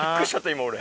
今俺。